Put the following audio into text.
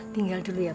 tinggal dulu ya pak